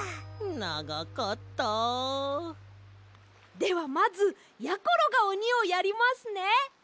ではまずやころがおにをやりますね。